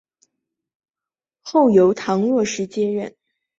后由唐若时接任。